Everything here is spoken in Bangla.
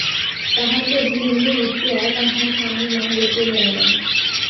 তাহার পর ধীরে ধীরে উঠিয়া তাঁহার স্বামীর মহলে চলিয়া গেলেন।